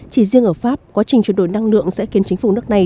chỉ riêng ở pháp quá trình chuyển đổi năng lượng sẽ khiến chính phủ nước này